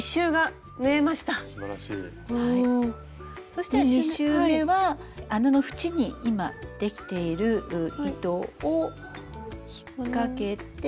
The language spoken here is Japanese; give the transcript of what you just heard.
そしたら２周めは穴の縁に今できている糸を引っかけて。